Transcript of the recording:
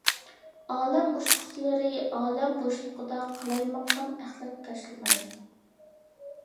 ئالەم ئۇچقۇچىلىرى ئالەم بوشلۇقىدا قالايمىقان ئەخلەت تاشلىمايدۇ.